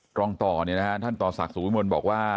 ตอนตอนนี้นะคะท่านต่อศักดิ์สุวิมนศ์บอกว่า